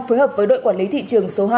phối hợp với đội quản lý thị trường số hai